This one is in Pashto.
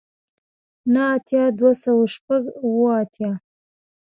نه اتیای دوه سوه شپږ اوه اتیا